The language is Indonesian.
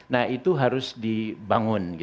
nah itu harus dibangun